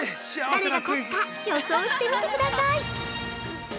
誰が勝つか予想してみてください！